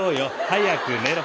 早く寝ろ。